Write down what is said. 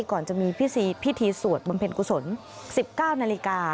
ก่อนจะมีพิธีสวดบำเพ็ญกุศล๑๙นาฬิกา